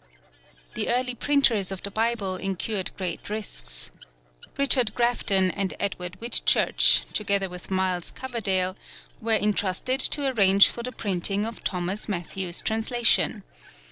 The early printers of the Bible incurred great risks. Richard Grafton and Edward Whitchurch, together with Miles Coverdale, were entrusted to arrange for the printing of Thomas Mathew's translation.